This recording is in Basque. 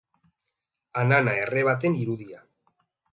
Anana erre baten irudia.